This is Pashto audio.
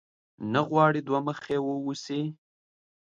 نه غواړې دوه مخی واوسې؟